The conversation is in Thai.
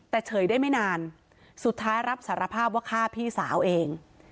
แต่เฉยได้ไม่นานสุดท้ายรับสารภาพว่าฆ่าพี่สาวเอง